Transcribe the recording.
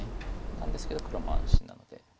なんですけど黒も安心なので。